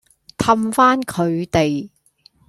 氹返佢哋